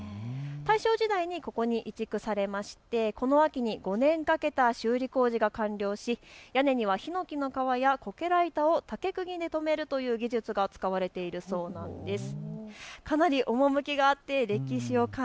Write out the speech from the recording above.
大正時代にここに移築されましてこの秋に５年かけた修理工事が完了し屋根には、ひのきの皮やこけら板を竹くぎでとめるという技術が使われているそうなんです。